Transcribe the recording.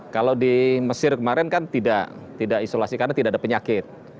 kalau di mesir kemarin kan tidak tidak isolasi karena tidak ada penyakit